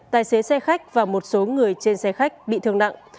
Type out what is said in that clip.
tài xế xe khách và một số người trên xe khách bị thương nặng